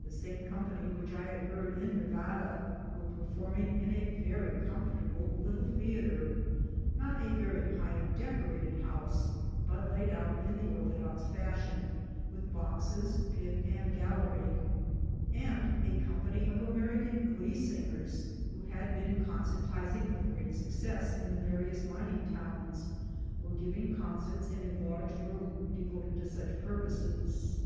The same company which I had heard in Nevada were performing in a very comfortable little theater — not a very highly decorated house, but laid' out in the orthodox fashion, with boxes, pit, and gal lery — and a company of American glee singers, who had been concertizing with great success in the various mining towns, were giving concerts in a large room devoted to such purposes.